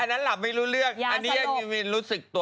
นั้นหลับไม่รู้เรื่องอันนี้วินรู้สึกตัว